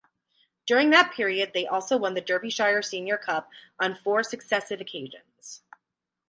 During that period they also won the Derbyshire Senior Cup on four successive occasions.